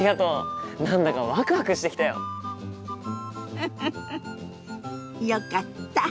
フフフよかった。